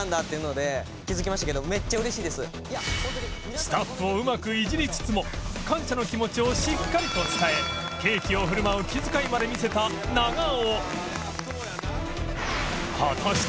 スタッフをうまくいじりつつも感謝の気持ちをしっかりと伝えケーキを振る舞う気遣いまで見せた長尾